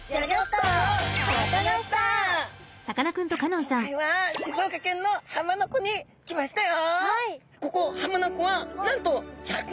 さあ今回は静岡県の浜名湖に来ましたよ！